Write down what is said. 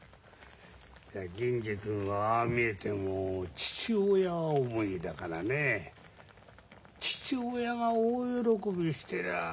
銀次君はああ見えても父親思いだからね父親が大喜びしてりゃあひっくり返せんよ。